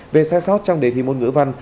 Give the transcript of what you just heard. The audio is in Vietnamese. về sai sót trong đề thi môn ngữ văn